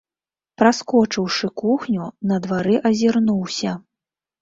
Праскочыўшы кухню, на двары азірнуўся.